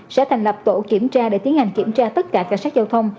sẽ thành lập tổ kiểm tra để tiến hành kiểm tra tất cả cảnh sát giao thông